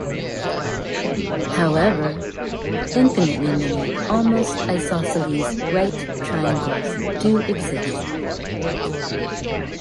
However, infinitely many "almost-isosceles" right triangles do exist.